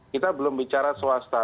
kita belum bicara swasta